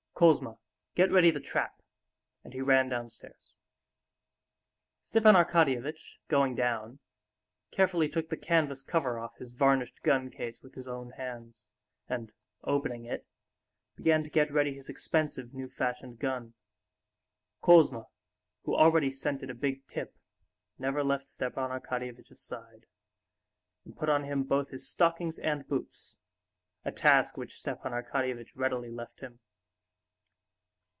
"Kouzma, get ready the trap," and he ran downstairs. Stepan Arkadyevitch, going down, carefully took the canvas cover off his varnished gun case with his own hands, and opening it, began to get ready his expensive new fashioned gun. Kouzma, who already scented a big tip, never left Stepan Arkadyevitch's side, and put on him both his stockings and boots, a task which Stepan Arkadyevitch readily left him.